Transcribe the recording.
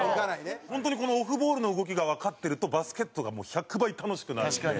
本当にオフボールの動きがわかってると、バスケットが１００倍楽しくなるので。